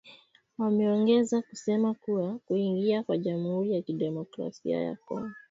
Wameongeza kusema kuwa kuingia kwa jamhuri ya kidemokkrasia ya Kongo